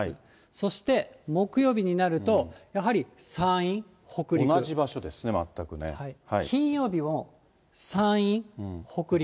そして木曜日になると、やはり、同じ場所ですね、金曜日も山陰、北陸。